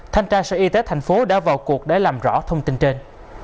thanh tra sở y tế tp hcm đã vào cuộc để làm rõ thông tin trên